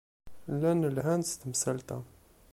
Llan lhan-d s temsalt-a.